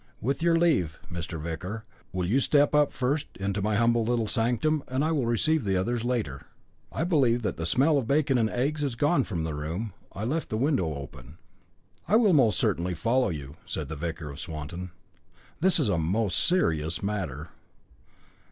With your leave, Mr. Vicar, will you step up first into my humble little sanctum, and I will receive the others later. I believe that the smell of bacon and eggs is gone from the room. I left the window open." "I will most certainly follow you," said the Vicar of Swanton. "This is a most serious matter."